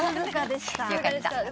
よかった。